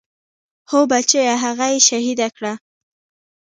هو بچيه هغه يې شهيده کړه.